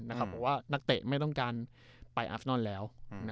บอกว่านักเตะไม่ต้องการไปอัศนอนแล้ว